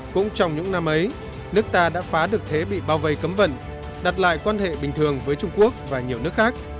cũng trong những năm ấy nước ta đã phá được thế bị bao vây cấm vận đặt lại quan hệ bình thường với trung quốc và nhiều nước khác